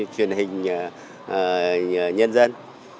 gia đình nhân dân